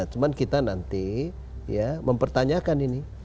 cuma kita nanti ya mempertanyakan ini